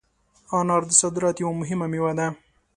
انار د صادراتو یوه مهمه مېوه ده.